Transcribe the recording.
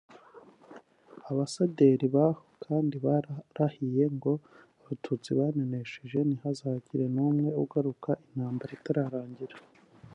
Abasederi baho kandi bararahiye ngo Abatutsi bamenesheje ntihazagire n’umwe ugaruka intambara itarangiye